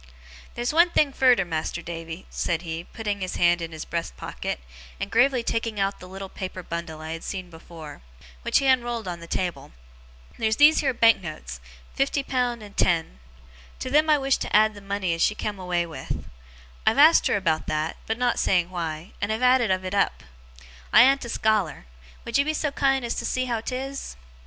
'Theer's one thing furder, Mas'r Davy,' said he, putting his hand in his breast pocket, and gravely taking out the little paper bundle I had seen before, which he unrolled on the table. 'Theer's these here banknotes fifty pound, and ten. To them I wish to add the money as she come away with. I've asked her about that (but not saying why), and have added of it up. I an't a scholar. Would you be so kind as see how 'tis?